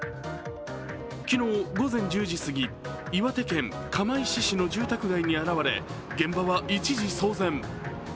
昨日、午前１０時すぎ岩手県釜石市の住宅街に現れ現場は、一時騒然。